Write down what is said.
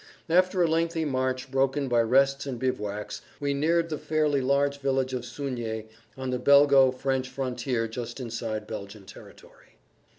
After a lengthy march broken by rests and bivouacs we neared the fairly large village of Sugny on the Belgo French frontier just inside Belgian territory.